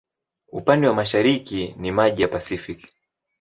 Upande wa mashariki ni maji ya Pasifiki.